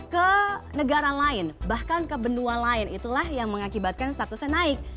ke negara lain bahkan ke benua lain itulah yang mengakibatkan statusnya naik